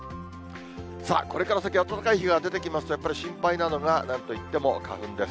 さあ、これから先、暖かい日が出てきますと、心配なのが、なんといっても花粉です。